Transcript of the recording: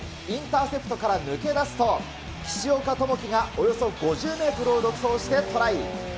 インターセプトから抜け出すと、岸岡智樹がおよそ５０メートルを独走してトライ。